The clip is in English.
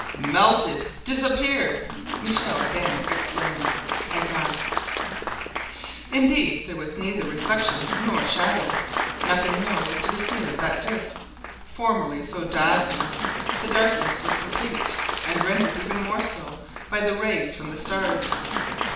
"Melted, disappeared!" Michel Ardan exclaimed, aghast. Indeed, there was neither reflection nor shadow. Nothing more was to be seen of that disc, formerly so dazzling. The darkness was complete. and rendered even more so by the rays from the stars.